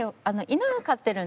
犬？